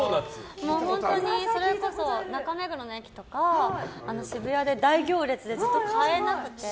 本当にそれこそ中目黒の駅とか渋谷で大行列でずっと買えなくて。